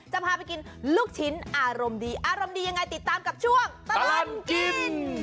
จะพาไปกินลูกชิ้นอารมณ์ดีอารมณ์ดียังไงติดตามกับช่วงตลอดกิน